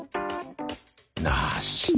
なし！